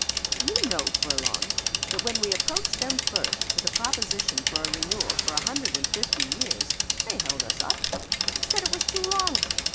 Do you know, Furlong, that when we approached them first with a proposition for a renewal for a hundred and fifty years they held us up! Said it was too long!